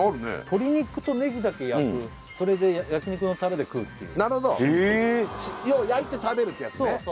鶏肉とネギだけ焼くそれで焼き肉のたれで食うなるほど要は焼いて食べるってやつね